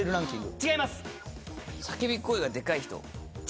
違います。